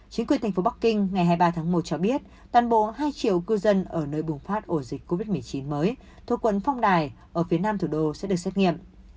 chính quyền thành phố bắc kinh ngày hai mươi ba tháng một cho biết toàn bộ hai triệu cư dân ở nơi bùng phát ổ dịch covid một mươi chín mới thuộc quận phong đài ở phía nam thủ đô sẽ được xét nghiệm